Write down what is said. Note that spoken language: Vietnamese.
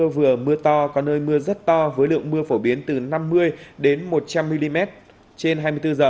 mưa vừa mưa to có nơi mưa rất to với lượng mưa phổ biến từ năm mươi một trăm linh mm trên hai mươi bốn h